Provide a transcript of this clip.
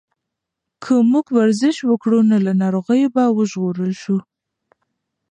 که موږ ورزش وکړو نو له ناروغیو به وژغورل شو.